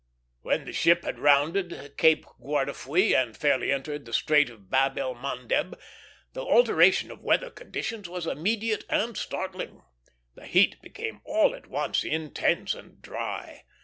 When the ship had rounded Cape Guardafui and fairly entered the Strait of Bab el Mandeb, the alteration of weather conditions was immediate and startling. The heat became all at once intense and dry.